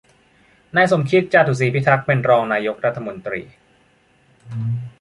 นายสมคิด จาตุศรีพิทักษ์ เป็นรองนายกรัฐมนตรี